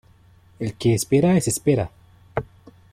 El que espera desespera.